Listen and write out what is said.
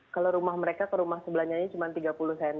kalau rumah mereka ke rumah sebelahnya cuma tiga puluh cm